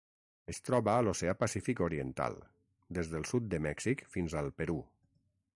Es troba a l'Oceà Pacífic oriental: des del sud de Mèxic fins al Perú.